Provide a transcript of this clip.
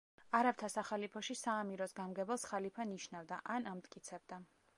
არაბთა სახალიფოში საამიროს გამგებელს ხალიფა ნიშნავდა ან ამტკიცებდა.